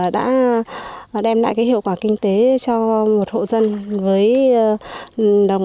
đã đem lại hiệu quả kinh tế cho một hộ dân